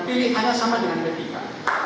pilihannya sama dengan ketiga